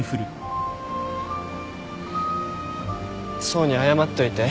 想に謝っといて。